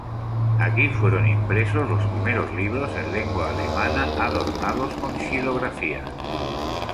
Aquí fueron impresos los primeros libros en lengua alemana adornados con xilografías.